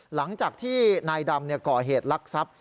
หลังจากที่นายดำก่อเหตุลักษัพ